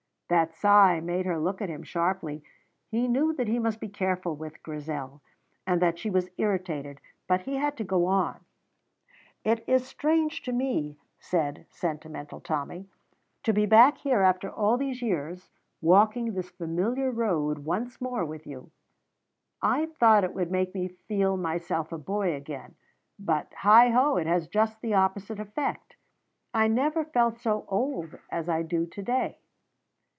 That sigh made her look at him sharply. He knew that he must be careful with Grizel, and that she was irritated, but he had to go on. "It is strange to me," said Sentimental Tommy, "to be back here after all those years, walking this familiar road once more with you. I thought it would make me feel myself a boy again, but, heigh ho, it has just the opposite effect: I never felt so old as I do to day."